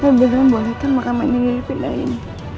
tapi belum bolehkan makamannya dipindahin